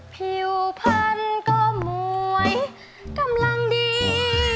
ผิวพันธุ์ก็มวยกำลังดี